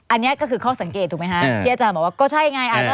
อันนี้ก็คือข้อสังเกตถูกไหมคะที่อาจารย์บอกว่าก็ใช่ไง